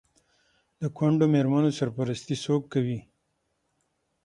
د کونډو میرمنو سرپرستي څوک کوي؟